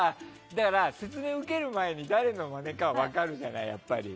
だから、説明受ける前に誰のマネか分かるじゃないやっぱり。